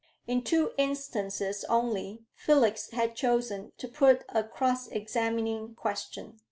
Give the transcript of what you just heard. In two instances only Felix had chosen to put a cross examining question.